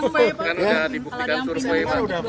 kalan m enam belas pak